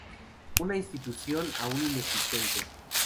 Una institución aún inexistente.